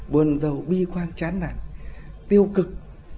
buồn giàu bi khoan chán nản tiêu cực